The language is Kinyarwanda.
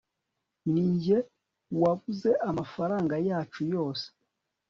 ninjye wabuze amafaranga yacu yose